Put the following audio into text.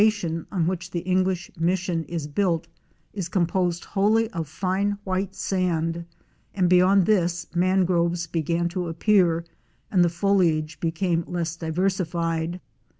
233 tion on which the English Mission is built is composed wholly of fine white sand, and beyond this mangroves began to appear and the foliage became less diversified.